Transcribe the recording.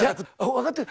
分かってる。